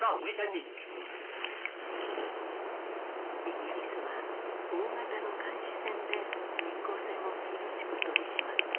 イギリスは大型の監視船で密航船を厳しく取り締まった。